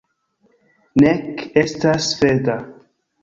... nek estas sveda